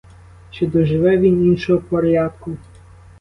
Чи доживе він іншого порядку?